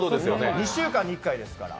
２週間に１回ですから。